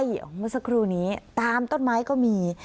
เมื่อสักครู่นี้ตามต้นไม้ก็มี